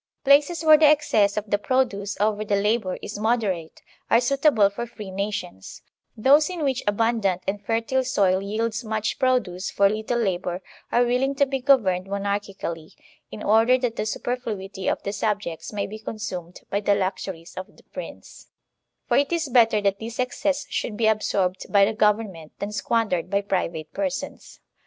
Places where the excess of the produce over the labor is moderate are suitable for free nations; those in which abundant and fertile soil yields much produce for little labor are willing to be governed monarchically, in order that the superfluity of the sub jects may be consumed by the luxuries of the Prince; for it is better that this excess should be absorbed by the government than squandered by private persons.